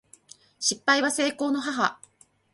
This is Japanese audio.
失敗は成功の母